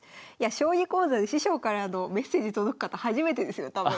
将棋講座で師匠からのメッセージ届く方初めてですよ多分。